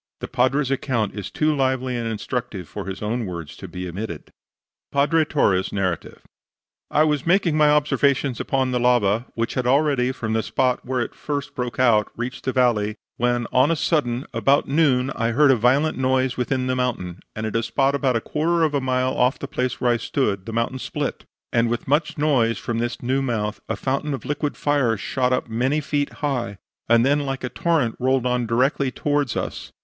The Padre's account is too lively and instructive for his own words to be omitted. PADRE TORRE'S NARRATIVE "I was making my observations upon the lava, which had already, from the spot where it first broke out, reached the valley, when, on a sudden, about noon, I heard a violent noise within the mountain, and at a spot about a quarter of a mile off the place where I stood the mountain split; and with much noise, from this new mouth, a fountain of liquid fire shot up many feet high, and then like a torrent rolled on directly towards us.